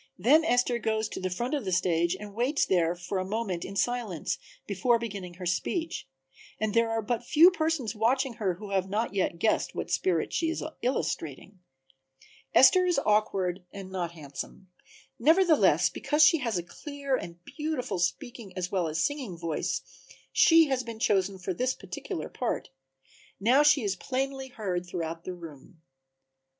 Then Esther goes to the front of the stage and waits there for a moment in silence before beginning her speech, and there are but few persons watching her who have yet guessed what spirit she is illustrating. Esther is awkward and not handsome; nevertheless, because she has a clear and beautiful speaking as well as singing voice she had been chosen for this particular part. Now she is plainly heard throughout the room.